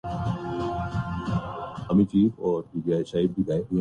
اختلاف اس سلیقے سے کیا جائے کہ کسی سے ناانصافی نہ ہو۔